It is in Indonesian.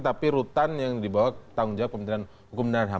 tapi rutan yang dibawa tanggung jawab kementerian hukum dan ham